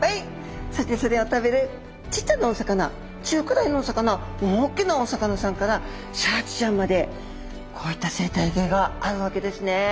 そしてそれを食べるちっちゃなお魚中くらいのお魚大きなお魚さんからシャチちゃんまでこういった生態系があるわけですね。